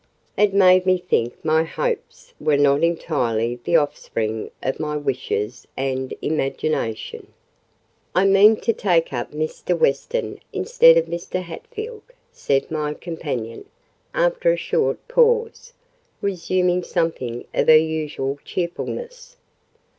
It made me think my hopes were not entirely the offspring of my wishes and imagination. "I mean to take up Mr. Weston instead of Mr. Hatfield," said my companion, after a short pause, resuming something of her usual cheerfulness.